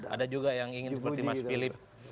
ada juga yang ingin seperti mas philip